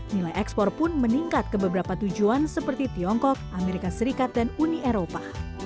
nilai ekspor pun meningkat ke beberapa tujuan seperti tiongkok amerika serikat dan uni eropa